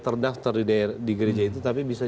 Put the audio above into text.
terdaftar di gereja itu tapi bisa